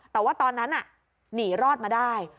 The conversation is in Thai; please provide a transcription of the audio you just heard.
แต่ว่าตอนนั้นหนีรอดมาได้